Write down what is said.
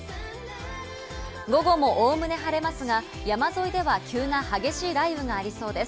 午後も概ね晴れますが、山沿いでは急な激しい雷雨がありそうです。